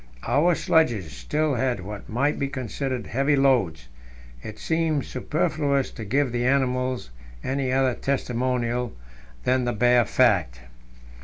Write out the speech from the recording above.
Our sledges still had what might be considered heavy loads; it seems superfluous to give the animals any other testimonial than the bare fact.